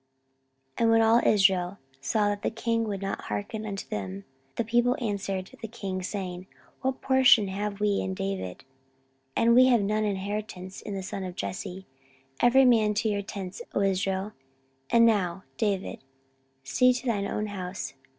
14:010:016 And when all Israel saw that the king would not hearken unto them, the people answered the king, saying, What portion have we in David? and we have none inheritance in the son of Jesse: every man to your tents, O Israel: and now, David, see to thine own house.